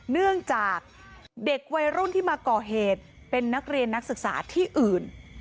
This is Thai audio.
เนื่องจากเด็กวัยรุ่นที่มาก่อเหตุเป็นนักเรียนนักศึกษาที่อื่น